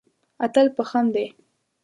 اتل په خښم دی.